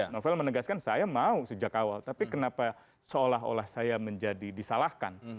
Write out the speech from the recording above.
novel menegaskan saya mau sejak awal tapi kenapa seolah olah saya menjadi disalahkan